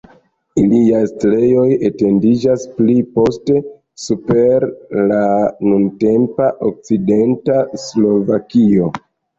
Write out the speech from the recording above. Ilia setlejo etendiĝis pli poste super la nuntempa okcidenta Slovakio.